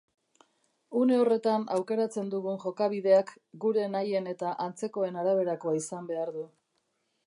Une horretan aukeratzen dugun jokabideak gure nahien eta antzekoen araberakoa izan behar du.